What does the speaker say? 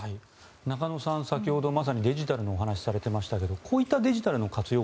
中野さん、先ほどまさにデジタルのお話をされていましたがこういったデジタルの活用